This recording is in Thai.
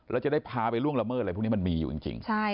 แล้วจะได้พาไปล่วงละเมิดอะไรพวกนี้มันมีอยู่จริง